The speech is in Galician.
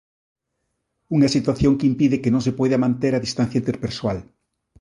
Unha situación que impide que non se poida manter a distancia interpersoal.